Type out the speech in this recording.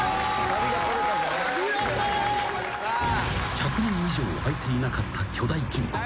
［１００年以上開いていなかった巨大金庫］